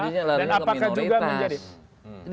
dan apakah juga menjadi